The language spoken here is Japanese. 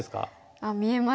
あっ見えました。